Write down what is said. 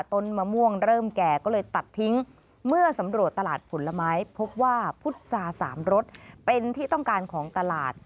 ต้นมะม่วงเริ่มแก่ก็เลยตัดทิ้งเมื่อสำรวจตลาดผลไม้พบว่าพุษาสามรสเป็นที่ต้องการของตลาด